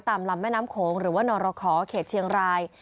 ลำแม่น้ำโขงหรือว่านรขอเขตเชียงราย